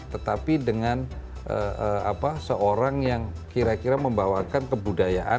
tetapi dengan seorang yang kira kira membawakan kebudayaan